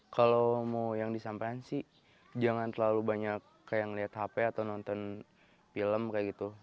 kalau mau yang disampaikan sih jangan terlalu banyak kayak ngeliat hp atau nonton film kayak gitu